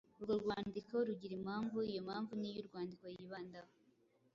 Urwo rwandiko rugira impamvu, iyo mpamvu ni yo uwandika yibandaho